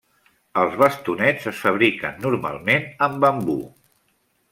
Els bastonets es fabriquen normalment en bambú.